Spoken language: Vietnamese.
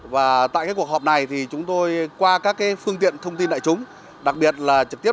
và tại cuộc họp này thì chúng tôi qua các phương tiện thông tin đại chúng